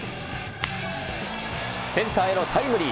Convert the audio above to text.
センターへのタイムリー。